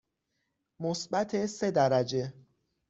مثبت سه درجه.